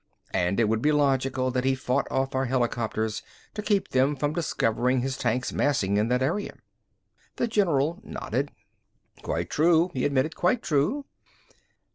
And it would be logical that he fought off our helicopters to keep them from discovering his tanks massing in that area." The general nodded. "Quite true," he admitted. "Quite true."